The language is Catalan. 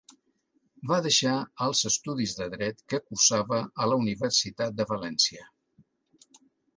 Va deixar els estudis de dret que cursava a la Universitat de València.